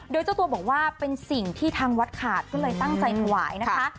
โดยเจ้าตัวบอกว่าเป็นสิ่งที่ทางวัดขาดก็เลยตั้งใจถวายนะคะ